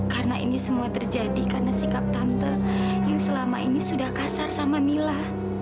karena ini semua terjadi karena sikap tante yang selama ini sudah kasar sama mila